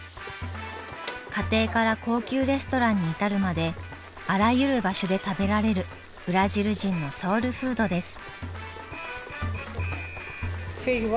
家庭から高級レストランに至るまであらゆる場所で食べられるブラジル人のソウルフードです。